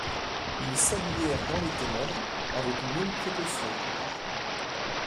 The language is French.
Ils s'habillèrent dans les ténèbres, avec mille précautions.